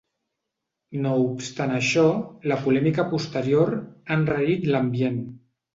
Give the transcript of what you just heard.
No obstant això, la polèmica posterior ha enrarit l’ambient.